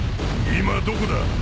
今どこだ？